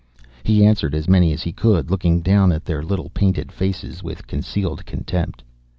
He answered as many as he could, looking down at their little painted faces with concealed contempt.